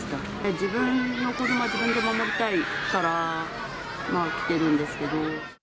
自分の子どもは自分で守りたいから来てるんですけど。